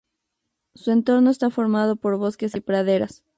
Su entorno está formado por bosques y praderas.